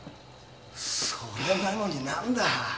それなのになんだ！